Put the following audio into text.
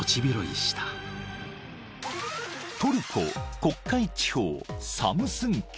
［トルコ黒海地方サムスン県］